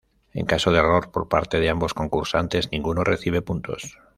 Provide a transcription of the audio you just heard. En caso de error por parte de ambos concursantes, ninguno recibe puntos.